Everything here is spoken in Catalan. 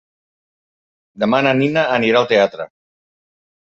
Demà na Nina anirà al teatre.